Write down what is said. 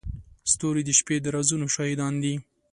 ستوري د شپې د رازونو شاهدان دي.